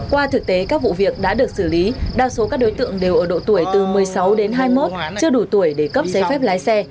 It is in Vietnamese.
qua thực tế các vụ việc đã được xử lý đa số các đối tượng đều ở độ tuổi từ một mươi sáu đến hai mươi một chưa đủ tuổi để cấp giấy phép lái xe